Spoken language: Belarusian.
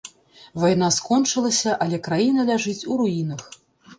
Вайна скончылася, але краіна ляжыць у руінах.